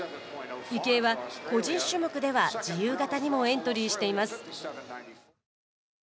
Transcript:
池江は、個人種目では自由形にもエントリーしています。